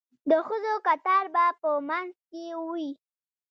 د ښځو کتار به په منځ کې وي.